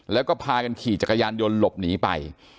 แล้วก็พากันขี่จักรยานยนต์หลบหนีไป